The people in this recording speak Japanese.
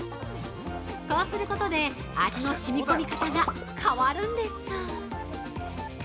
こうすることで味のしみこみ方が変わるんです。